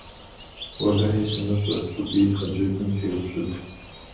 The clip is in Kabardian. Уэлэхьи, сымыщӏэ, фыкӏуи хъыджэбзым феупщӏыт!